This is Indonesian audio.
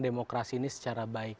demokrasi ini secara baik